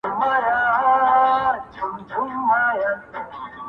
په زلفو کې اوږدې، اوږدې کوڅې د فريادي وې_